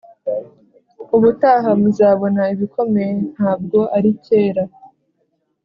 ubutaha muzabona ibikomeye, ntabwo ari cyera